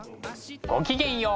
ごきげんよう。